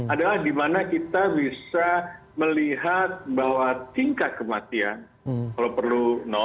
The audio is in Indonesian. adalah dimana kita bisa melihat bahwa tingkat kematian kalau perlu